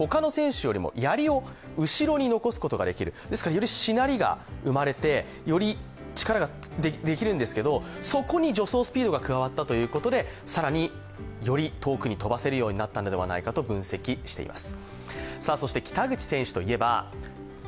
よりしなりがうまれて、より力ができるんですけど、そこに助走スピードが加わったということで、更により遠くに飛ばせるようになったのではないかと、分析しています。